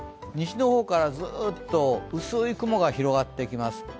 西の方からずっと薄い雲が広がってきます。